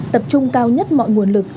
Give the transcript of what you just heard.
tập trung cao nhất mọi nguồn lực